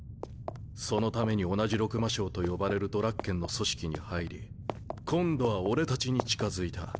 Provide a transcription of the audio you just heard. そのために同じ六魔将と呼ばれるドラッケンの組織に入り今度は俺たちに近づいた。